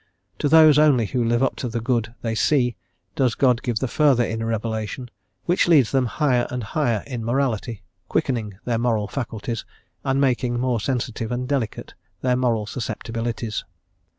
To those only who live up to the good they see, does God give the further inner revelation, which leads them higher and higher in morality, quickening their moral faculties, and making more sensitive and delicate their moral susceptibilities.